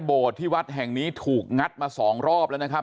ที่วัดแห่งนี้ถูกงัดมาสองรอบแล้วนะครับ